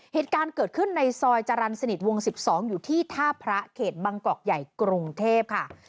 เหตุการณ์เกิดขึ้นในซอยจรรย์สนิทวง๑๒อยู่ที่ท่าพระเขตบางกอกใหญ่กรุงเทพค่ะ